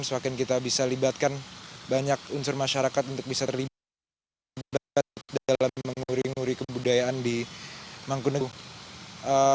semakin kita bisa libatkan banyak unsur masyarakat untuk bisa terlibat dalam menguri nguri kebudayaan di mangkunegara